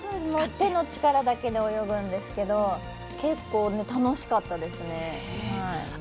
手の力だけで泳ぐんですけど結構、楽しかったですね。